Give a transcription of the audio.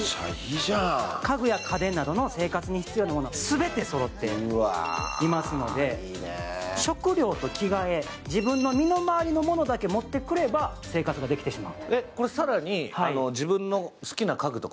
家具や家電などの生活に必要なものは全てそろっておりますので、食料と着替え、自分の身の回りのものだけ持ってくれば生活ができてしまう。